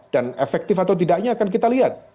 dan efektif atau tidaknya akan kita lihat